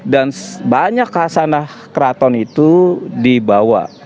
dan banyak kasanah keraton itu dibawa